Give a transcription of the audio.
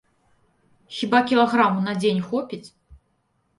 Хіба кілаграму на дзень хопіць?